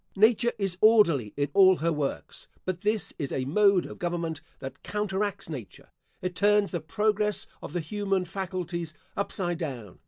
Nature is orderly in all her works; but this is a mode of government that counteracts nature. It turns the progress of the human faculties upside down.